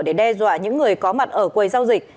để đe dọa những người có mặt ở quầy giao dịch